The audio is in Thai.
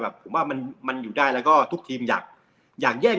ผมว่ามันมันอยู่ได้แล้วก็ทุกทีมอยากอยากแยก